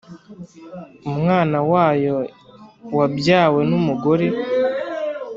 Umwana wayo wabyawe n’ umugore